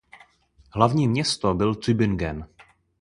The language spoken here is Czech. Hlavní město byl Tübingen.